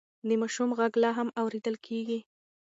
د ماشوم غږ لا هم اورېدل کېږي.